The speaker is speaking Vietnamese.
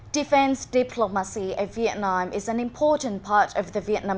đối ngoại quốc phòng việt nam là bộ phận quan trọng của nền ngoại quốc phòng việt nam